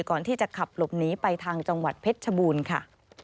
ก่อนที่จะขับหลบหนีไปทางจังหวัดเพชรชบูรณ์ค่ะ